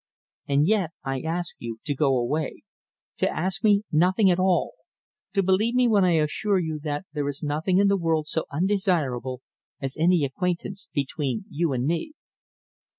And yet I ask you to go away, to ask me nothing at all, to believe me when I assure you that there is nothing in the world so undesirable as any acquaintance between you and me."